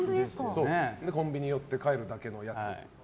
コンビニに寄って帰るだけのやつ。